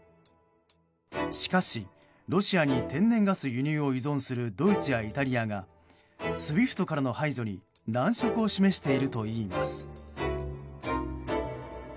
しかし、ロシアに天然ガス輸入を依存するドイツやイタリアがＳＷＩＦＴからの排除に難色を示しているといいます。